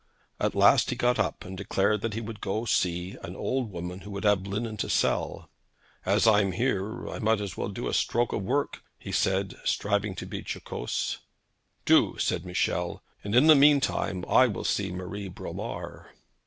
At last he got up and declared he would go and see an old woman who would have linen to sell. 'As I am here, I might as well do a stroke of work,' he said, striving to be jocose. 'Do,' said Michel; 'and in the mean time I will see Marie Bromar.'